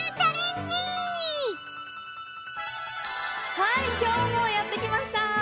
はい今日もやってきました！